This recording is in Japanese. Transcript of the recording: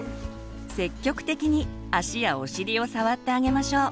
積極的に足やお尻を触ってあげましょう。